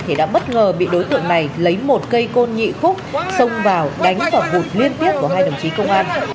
thì đã bất ngờ bị đối tượng này lấy một cây côn nhị khúc xông vào đánh và vụt liên tiếp của hai đồng chí công an